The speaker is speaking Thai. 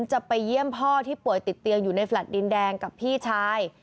จะไปเยี่ยมพ่อที่ป่วยติดเตียงอยู่ในแฟลต์ดินแดงกับพี่ชาย